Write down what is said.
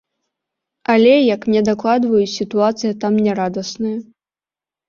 Але, як мне дакладваюць, сітуацыя там нярадасная.